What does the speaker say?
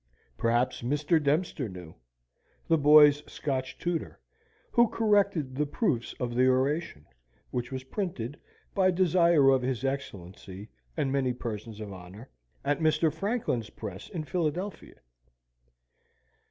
Perhaps Mr. Dempster knew, the boys' Scotch tutor, who corrected the proofs of the oration, which was printed, by desire of his Excellency and many persons of honour, at Mr. Franklin's press in Philadelphia.